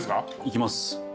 いきます。